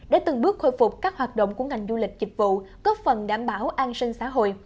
đã từng bước khôi phục các hoạt động của ngành du lịch dịch vụ góp phần đảm bảo an sinh xã hội